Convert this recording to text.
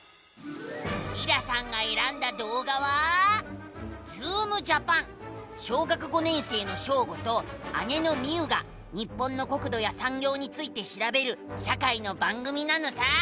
りらさんがえらんだどうがは小学５年生のショーゴと姉のミウが日本の国土やさんぎょうについてしらべる社会の番組なのさ！